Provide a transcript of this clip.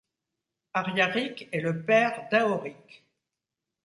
Ariaric est le père d'Aoric.